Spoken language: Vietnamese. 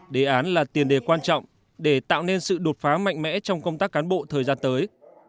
đề án là tiền đề quan trọng để tạo nên sự đột phá mạnh mẽ trong công tác cán bộ thời gian tới